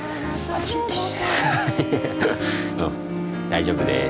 大丈夫です。